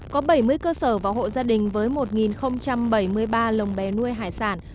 có bảy mươi cơ sở và hộ gia đình với một bảy mươi ba lồng bè nuôi hải sản